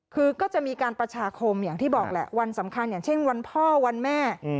คือก็จะมีการประชาคมอย่างที่บอกแหละวันสำคัญอย่างเช่นวันพ่อวันแม่